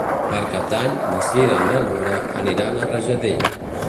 Per Cap d'Any na Cira i na Nora aniran a Rajadell.